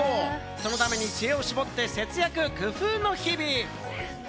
そのために知恵を絞って節約、工夫の日々。